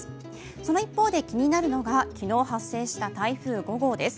その一方で気になるのが昨日発生した台風５号です。